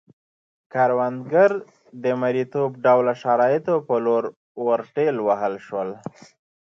کروندګر د مریتوب ډوله شرایطو په لور ورټېل وهل شول